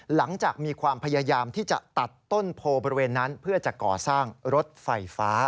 หลังจากมีความพยายามที่จะตัดต้นโพบริเวณนั้นเพื่อจะก่อสร้างรถไฟฟ้า